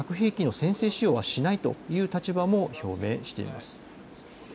そして核兵器の先制使用はしないという立場も表明しています。